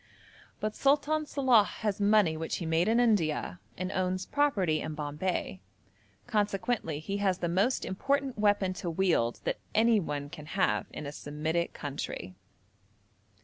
But Sultan Salàh has money which he made in India, and owns property in Bombay; consequently he has the most important weapon to wield that anyone can have in a Semitic country.